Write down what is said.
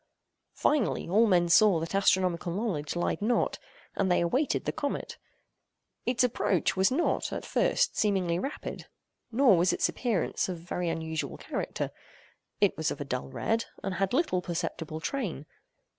Finally, all men saw that astronomical knowledge lied not, and they awaited the comet. Its approach was not, at first, seemingly rapid; nor was its appearance of very unusual character. It was of a dull red, and had little perceptible train.